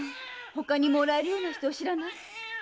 ほかにもらえるような人知らない？